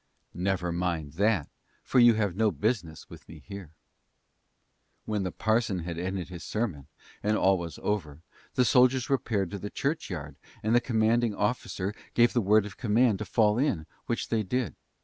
"Never mind that," for you have no business with me here." "When the parson had ended his sermon, and all was over, the soldiers repaired to the church yard, and the commanding officer gave the word of command to fall in, which they did.